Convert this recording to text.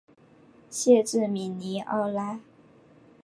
县治米尼奥拉。